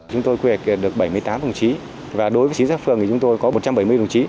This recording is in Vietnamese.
chúng tôi quy hoạch được bảy mươi tám đồng chí và đối với chính xác phường thì chúng tôi có một trăm bảy mươi đồng chí